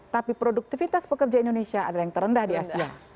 tapi produktivitas pekerja indonesia adalah yang terendah di asia